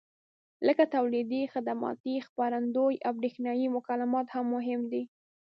لکه تولیدي، خدماتي، خپرندویي او برېښنایي مکالمات مهم دي.